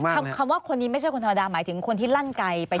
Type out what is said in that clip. คำว่าคนนี้ไม่ใช่คนธรรมดาหมายถึงคนที่ลั่นไกลไป